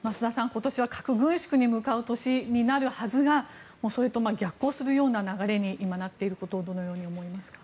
今年は核軍縮に向かう年のはずがそれと逆行する流れになっていることをどのように思いますか？